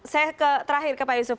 saya terakhir ke pak yusuf